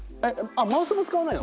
マウスも使わないの？